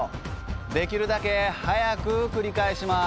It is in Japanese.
できるだけ速く繰り返します。